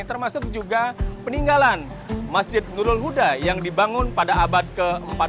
termasuk juga peninggalan masjid nurul huda yang dibangun pada abad ke empat belas